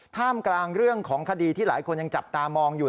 ท่ามกลางเรื่องของคดีที่หลายคนยังจับตามองอยู่